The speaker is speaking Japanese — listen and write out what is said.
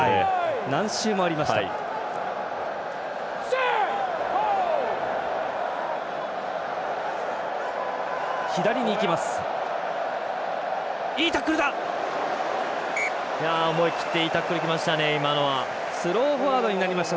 何周もありました。